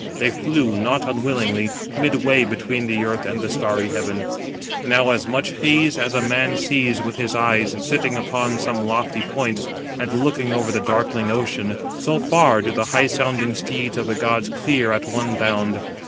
They flew, not unwillingly, midway between the earth and the starry heaven. Now, as much haze 230 as a man sees with his eyes, sitting upon some lofty point, and looking over the darkling ocean, so far do the high sounding steeds of the gods clear at one bound.